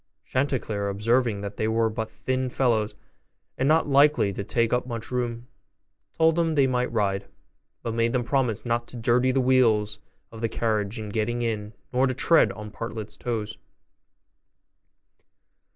Chanticleer observing that they were but thin fellows, and not likely to take up much room, told them they might ride, but made them promise not to dirty the wheels of the carriage in getting in, nor to tread on Partlet's toes.